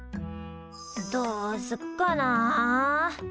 どうすっかな？